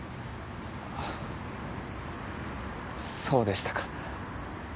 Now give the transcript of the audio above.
そうでしたか。